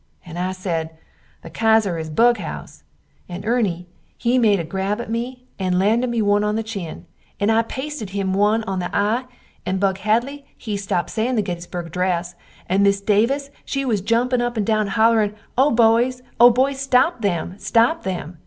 And I sed, The Kaiser is bughouse, and Erny he made a grab at me and landed me one on the chin, and I paisted him one on the eye and Bug Hadley he stopt sayin the getysberg adress, and miss Davis she was jumpin up and down hollerin O boys, O boys, stop them, stop them!